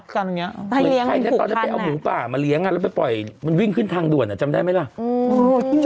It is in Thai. ใครไปเอาหมูปลามาเลี้ยงมันมันเจอวิ่งขึ้นทางด่วนจำได้ไม่แล้ว